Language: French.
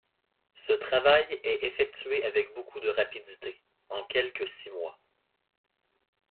Ce travail est effectué avec beaucoup de rapidité, en quelque six mois.